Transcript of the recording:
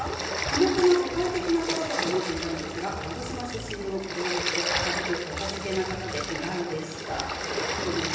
寡黙な都会的な方だと思っていたのですが鹿児島出身のじょう舌で明るく優しげな方で意外でした。